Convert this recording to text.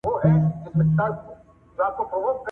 نه اندړ او نه ځدران او نه نورزی یم